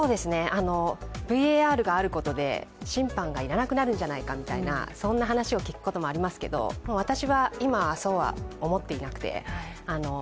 ＶＡＲがあることで審判が要らなくなるんじゃないか、そんな話を聞くこともありますけど、私は今はそうは思っていなくて。